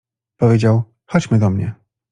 Powiedział: — Chodźmy do mnie.